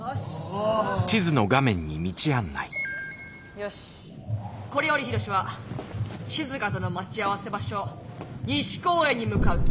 よしこれより緋炉詩はしずかとの待ち合わせ場所西公園に向かう。